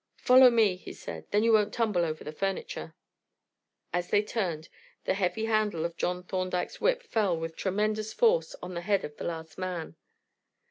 "Follow me," he said, "then you won't tumble over the furniture." As they turned, the heavy handle of John's Thorndyke's whip fell with tremendous force on the head of the last man.